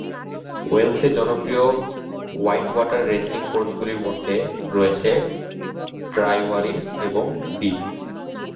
ওয়েলসে জনপ্রিয় whitewater racing কোর্সগুলির মধ্যে রয়েছে ট্রাইওয়ারিন এবং ডি।